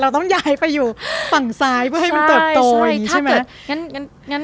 เราต้องย้ายไปอยู่ฝั่งซ้ายเพื่อให้มันเติบโตใช่ไหม